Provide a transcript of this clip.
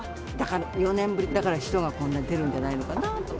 ４年ぶりだから、人がこんなに出るんじゃないかなと。